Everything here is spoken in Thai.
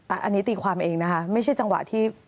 อันนี้ตีความเองนะคะไม่ใช่จังหวะที่